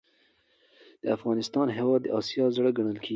دافغانستان هیواد د اسیا زړه ګڼل کیږي.